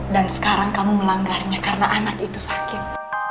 dan sekarang kamu melanggarnya karena anak itu sakit